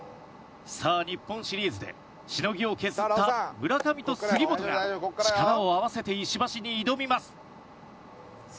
さあ日本シリーズでしのぎを削った村上と杉本が力を合わせて石橋に挑みます。